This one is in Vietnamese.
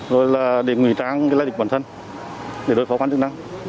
rồi là để ngủy tráng cái lai địch bản thân để đối phó quan chức năng